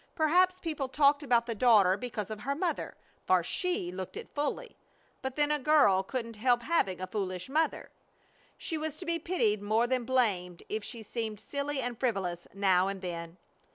Perhaps people talked about the daughter because of her mother, for she looked it fully! But then a girl couldn't help having a foolish mother! She was to be pitied more than blamed if she seemed silly and frivolous now and then.